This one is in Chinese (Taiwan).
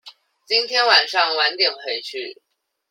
今天晚上晚點回去